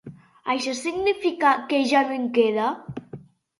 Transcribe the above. Això significa que ja no en queda.